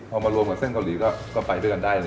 พอมารวมกับเส้นเกาหลีก็ไปด้วยกันได้เลย